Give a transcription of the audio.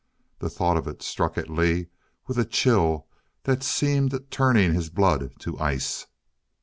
The thought of it struck at Lee with a chill that seemed turning his blood to ice.